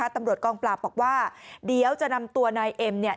ตำรวจกองปราบบอกว่าเดี๋ยวจะนำตัวนายเอ็มเนี่ย